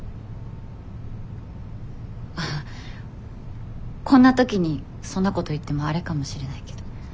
あっこんな時にそんなこと言ってもあれかもしれないけど。